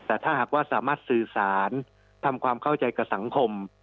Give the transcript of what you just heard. แต่ถ้าหากว่าสามารถสื่อสารทำความเข้าใจกับสังคม